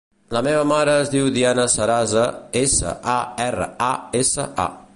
La meva mare es diu Diana Sarasa: essa, a, erra, a, essa, a.